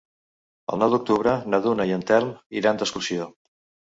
El nou d'octubre na Duna i en Telm iran d'excursió.